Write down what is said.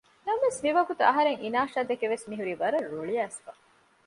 ނަމަވެސް މިވަގުތު އަހަރެން އިނާޝާދެކެ ވެސް މިހުރީ ވަރަށް ރުޅިއައިސްފަ